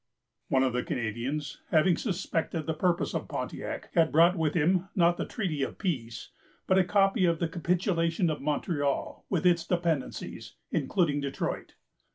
One of the Canadians, having suspected the purpose of Pontiac, had brought with him, not the treaty of peace, but a copy of the capitulation of Montreal with its dependencies, including Detroit.